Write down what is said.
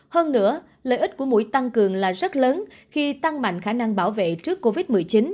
hơn nữa lợi ích của mũi tăng cường là rất lớn khi tăng mạnh khả năng bảo vệ trước covid một mươi chín